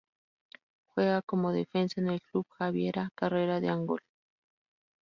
Juega como defensa en el Club Javiera Carrera de Angol.